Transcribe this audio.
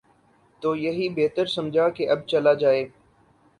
تو یہی بہتر سمجھا کہ اب چلا جائے۔